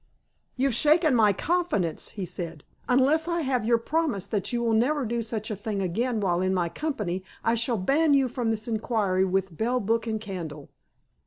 "You've shaken my confidence," he said. "Unless I have your promise that you will never do such a thing again while in my company, I shall ban you from this inquiry with bell, book, and candle."